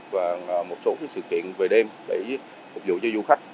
và một số sự kiện về đêm để phục vụ cho du khách